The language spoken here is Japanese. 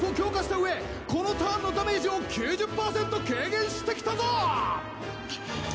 うこのターンのダメージを９０パーセント軽減してきたぞ！